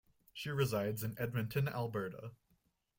She resides in Edmonton, Alberta.